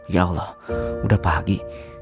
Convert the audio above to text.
ya allah udah pagi